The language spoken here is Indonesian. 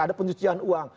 ada pencucian uang